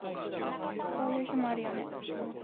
そういう日もあるよね